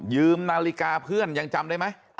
นาฬิกาเพื่อนยังจำได้ไหม